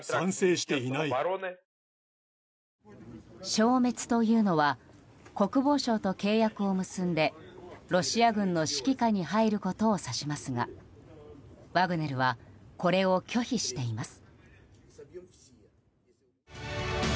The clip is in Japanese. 消滅というのは国防省と契約を結んでロシア軍の指揮下に入ることを指しますがワグネルはこれを拒否しています。